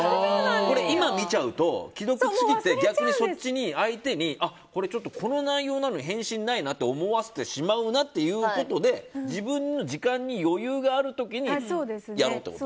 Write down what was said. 今見ちゃうと既読ついて逆にそっちに、相手にああ、この内容なのに返信ないなって思わせてしまうなっていうことで自分の時間に余裕がある時にやろうと思う。